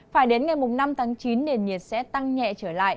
phải đến ngày năm tháng chín nền nhiệt sẽ tăng nhẹ trở lại